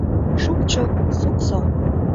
Шукчо — суксо.